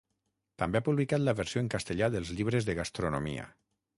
També ha publicat la versió en castellà dels llibres de gastronomia.